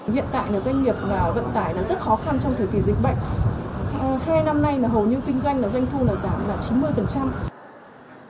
hai năm nay hầu như kinh doanh doanh thu giảm chín mươi